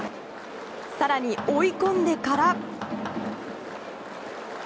更に追い込んでから。